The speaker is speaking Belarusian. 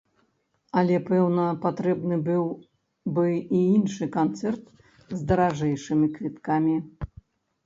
Але, пэўна, патрэбны быў бы і іншы канцэрт, з даражэйшымі квіткамі.